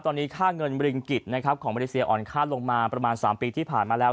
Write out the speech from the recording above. ตอนนี้ค่าเงินบริงกิจนะครับของมาเลเซียอ่อนค่าลงมาประมาณ๓ปีที่ผ่านมาแล้ว